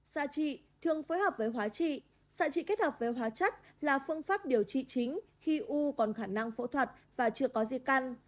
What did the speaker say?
xa chị thường phối hợp với hóa trị xạ trị kết hợp với hóa chất là phương pháp điều trị chính khi u còn khả năng phẫu thuật và chưa có di căn